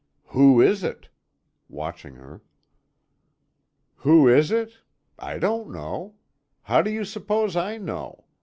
"Who is it?" watching her. "Who is it? I don't know. How do you suppose I know?